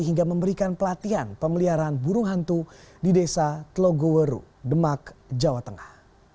hingga memberikan pelatihan pemeliharaan burung hantu di desa telogoweru demak jawa tengah